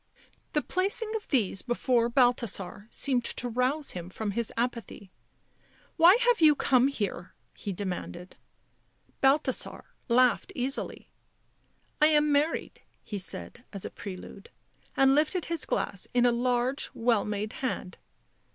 The placing of these before Balthasar seemed to rouse him from his apathy. " Why have you come here?" he demanded. Balthasar laughed easily. " I am married," he said as a prelude, and lifted his glass in a large, well made hand.